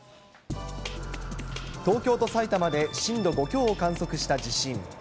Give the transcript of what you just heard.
東京と埼玉で震度５強を観測した地震。